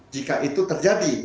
bahwa itu terjadi